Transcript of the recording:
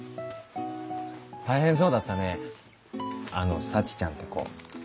大変そうだったねあの沙智ちゃんって子。